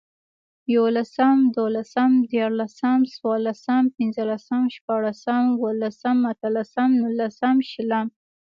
ېولسم، دولسم، ديارلسم، څوارلسم، پنځلسم، شپاړسم، اوولسم، اتلسم، نولسم، شلم